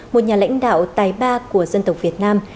một nhà lãnh đạo tài ba của dân tộc việt nam